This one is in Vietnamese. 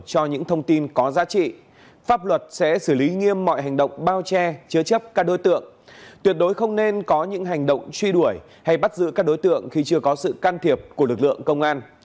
nếu những thông tin có giá trị pháp luật sẽ xử lý nghiêm mọi hành động bao che chứa chấp các đối tượng tuyệt đối không nên có những hành động truy đuổi hay bắt giữ các đối tượng khi chưa có sự can thiệp của lực lượng công an